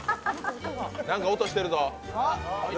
なんか音してるぞ！